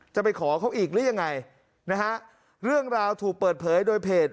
จะไปขอเขาอีกหรือยังไงนะฮะเรื่องราวถูกเปิดเผยโดยเพจ